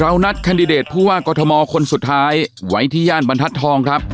นัดแคนดิเดตผู้ว่ากอทมคนสุดท้ายไว้ที่ย่านบรรทัศน์ทองครับ